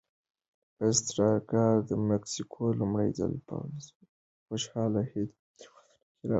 کاستریکا او مکسیکو لومړی ځل په لسو خوشحاله هېوادونو کې راغلي دي.